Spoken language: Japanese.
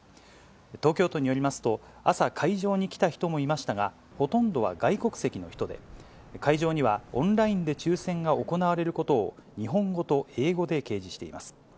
東京都によりますと、朝、会場に来た人もいましたが、ほとんどは外国籍の人で、会場にはオンラインで抽せんが行われることを、日本語と英語で掲示しています。